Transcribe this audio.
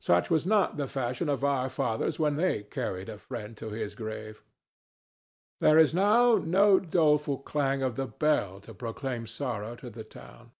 Such was not the fashion of our fathers when they carried a friend to his grave. There is now no doleful clang of the bell to proclaim sorrow to the town.